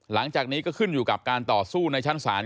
หลังจากนี้ก็ขึ้นอยู่กับการต่อสู้ในชั้นศาล